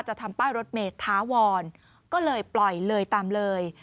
ทำป้ายรถเมย์ท้าวรก็เลยปล่อยเลยตามเลย